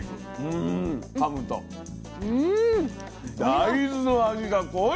大豆の味が濃い。